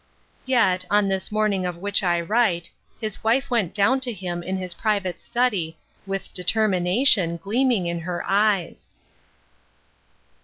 Yet, on this morning of which I write, his wife went down to him in his private study with deter mination gleaming in her eyes.